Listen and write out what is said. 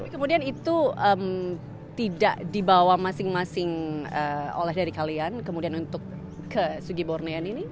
kemudian itu tidak dibawa masing masing oleh dari kalian kemudian untuk ke sugi borne ini